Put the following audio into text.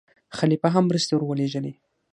خلیفه هم مرستې ورولېږلې.